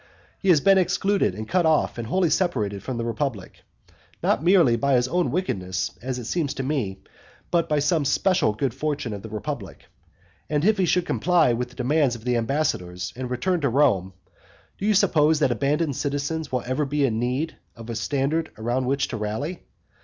He has been excluded and cut off and wholly separated from the republic, not merely by his own wickedness, as it seems to me, but by some especial good fortune of the republic. And if he should comply with the demands of the ambassadors and return to Rome, do you suppose that abandoned citizens will ever be in need of a standard around which to rally?